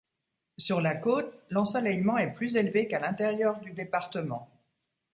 Sur la côte, l'ensoleillement est plus élevé qu'à l'intérieur du département.